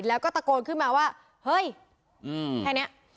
แล้วก็ตะโกนขึ้นมาว่าเฮ้ยแค่นี้